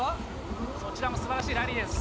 こちらもすばらしいラリーです。